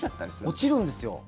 落ちるんですよ。